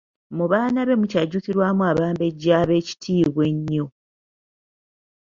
Mu baana be mukyajjukirwamu Abambejja ab'ekitiibwa ennyo.